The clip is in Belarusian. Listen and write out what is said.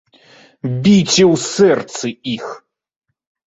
Біце ў сэрцы іх!